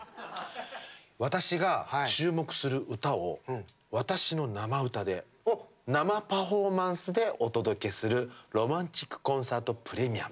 私が注目する歌を私の生歌で生パフォーマンスでお届けする「ロマンチックコンサートＰＲＥＭＩＵＭ」。